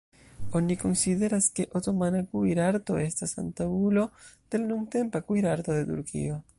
Oni konsideras, ke otomana kuirarto estas antaŭulo de la nuntempa kuirarto de Turkio.